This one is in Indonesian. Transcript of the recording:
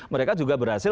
mereka juga berhasil